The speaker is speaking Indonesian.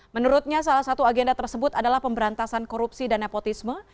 menurutnya salah satu agenda tersebut adalah pemberantasan korupsi dan nepotisme